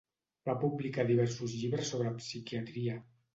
Va publicar diversos llibres sobre psiquiatria.